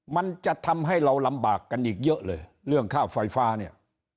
มันจะทำให้เราลำบากกันอีกเยอะเลยเรื่องค่าไฟฟ้าเนี่ย